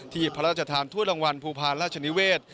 ที่พระราชดิทธรรมโทษรางวัลภูพว่าราชชนิเวศ